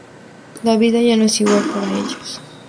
La vida ya no es igual para ellos.